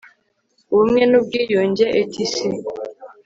ubumwe n'ubwiyunge etc